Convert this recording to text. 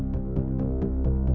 darinah pulang ya